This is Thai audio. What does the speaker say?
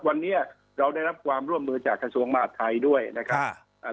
วันนี้เราได้รับความร่วมมือจากกระทรวงมหาดไทยด้วยนะครับ